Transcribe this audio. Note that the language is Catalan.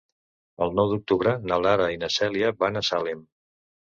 El nou d'octubre na Lara i na Cèlia van a Salem.